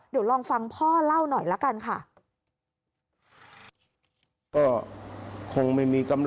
เดี๋ยวลองฟังพ่อเล่าหน่อยละกันค่ะ